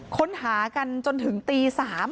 ค้นหากันจนถึงตี๓